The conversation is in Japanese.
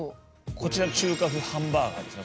こちら中華ふうハンバーガーですね。